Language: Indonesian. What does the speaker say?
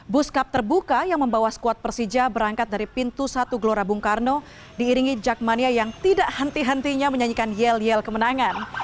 bus cup terbuka yang membawa skuad persija berangkat dari pintu satu gelora bung karno diiringi jakmania yang tidak henti hentinya menyanyikan yel yel kemenangan